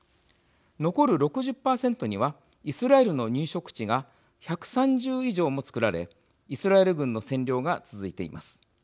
残る６０％にはイスラエルの入植地が１３０以上もつくられイスラエル軍の占領が続いています。